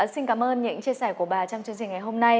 xin cảm ơn những chia sẻ của bà trong chương trình ngày hôm nay